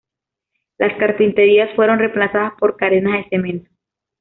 Las carpinterías fueron reemplazadas por carenas de cemento.